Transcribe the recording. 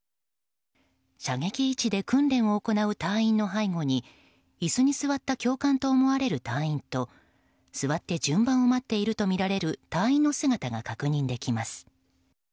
射撃位置で訓練を行う隊員の背後に椅子に座った教官と思われる隊員と座って順番を待っているとみられる隊員の姿が確認できます。